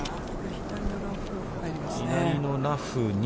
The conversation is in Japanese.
左のラフに。